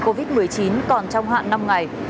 covid một mươi chín còn trong hạn năm ngày